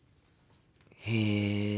へえ。